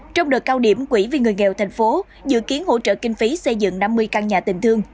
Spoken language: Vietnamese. trong đợt cao điểm quỹ vì người nghèo thành phố dự kiến hỗ trợ kinh phí xây dựng năm mươi căn nhà tình thương